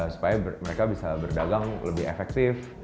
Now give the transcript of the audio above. supaya mereka bisa berdagang lebih efektif